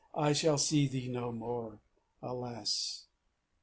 _I shall see thee no more... Alas!